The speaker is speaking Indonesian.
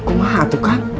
aku mah tuh kang